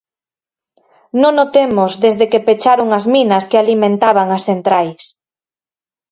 Non o temos desde que pecharon as minas que alimentaban as centrais.